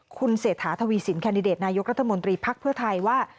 คุณเศรษฐาทวีสินแคนดิเดตนายกรัฐมนตรีภักดิ์เพื่อไทยว่า